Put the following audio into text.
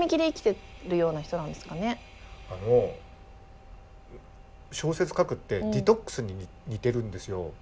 あの小説書くってディトックスに似てるんですよ。